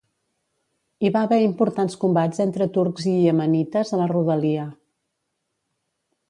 Hi va haver importants combats entre turcs i iemenites a la rodalia.